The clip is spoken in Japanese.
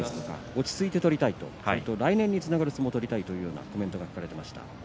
落ち着いて取りたいそして来年につながる相撲を取りたいというコメントがありました。